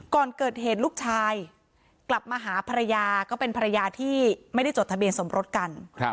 ก่อนเกิดเหตุลูกชายกลับมาหาภรรยาก็เป็นภรรยาที่ไม่ได้จดทะเบียนสมรสกัน